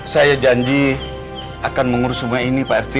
saya janji akan mengurus sungai ini pak rt